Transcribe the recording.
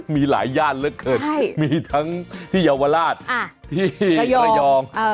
มีหลายย่านเหลือเกินมีทั้งที่เยาวราชที่ระยอง